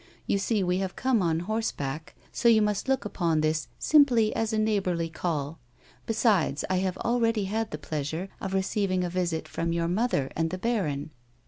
You see we have come on horseback, so you must look upon this simply as a neighbourly call ; besides, I have already had the pleasure of receiving a visit from your mother and the baron."